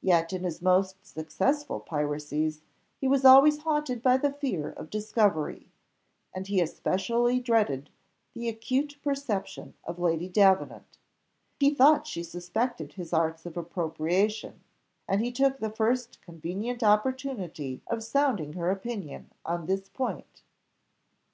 Yet in his most successful piracies he was always haunted by the fear of discovery, and he especially dreaded the acute perception of Lady Davenant; he thought she suspected his arts of appropriation, and he took the first convenient opportunity of sounding her opinion on this point.